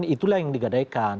itulah yang digadehkan